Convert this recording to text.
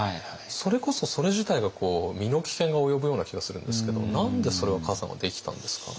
それこそそれ自体が身の危険が及ぶような気がするんですけど何でそれを崋山はできたんですか？